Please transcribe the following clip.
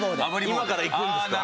今から行くんですか？